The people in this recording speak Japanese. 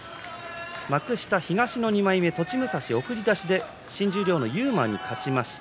幕下東２枚目、栃武蔵送り出しで新十両の勇磨に勝ちました。